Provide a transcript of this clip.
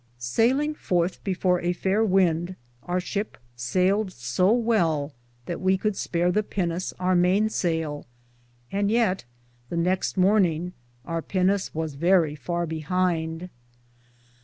Saylinge forthe before a faire wynde, our ship sayled so well that we could spare the pinis our mayne saile, and yeate the nexte morninge our pinnis was verrie far behind.